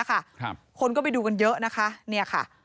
คนก็ไปดูกันเยอะ